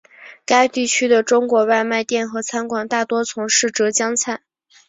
该地区的中国外卖店和餐馆大多从事浙江菜。